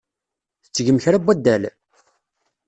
Tettgem kra n waddal?